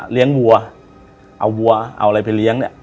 วัวเอาวัวเอาอะไรไปเลี้ยงเนี่ย